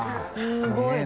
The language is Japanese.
すごい。